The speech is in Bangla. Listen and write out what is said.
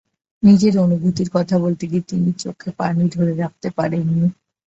নিজের অনুভূতির কথা বলতে গিয়ে চোখে পানি ধরে রাখতে পারেননি তিনি।